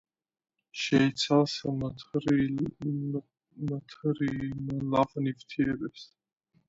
შეიცავს მთრიმლავ ნივთიერებებს.